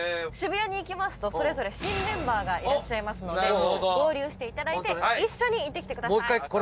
渋谷に行きますとそれぞれ新メンバーがいらっしゃいますので合流していただいて一緒に行ってきてください。